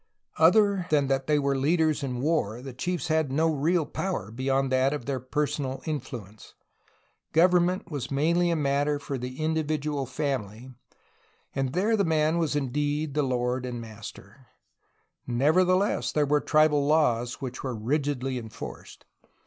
Other than that they were leaders in war the chiefs had no real power beyond that of their personal influence. Government was mainly a matter for the individual family, and there the man was indeed the lord and master. Nevertheless, there were tribal laws, which were rigidly enforced.